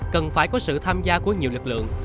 cần phải có sự tham gia của nhiều lực lượng